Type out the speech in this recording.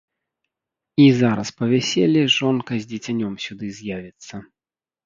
І зараз па вяселлі жонка з дзіцянём сюды з'явіцца.